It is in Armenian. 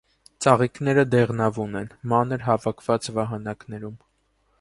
Ծաղիկները դեղնավուն են, մանր, հավաքված վահանակներում։